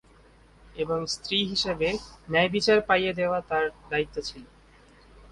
এবং স্ত্রী হিসেবে ন্যায়বিচার পাইয়ে দেওয়া তার দায়িত্ব ছিল।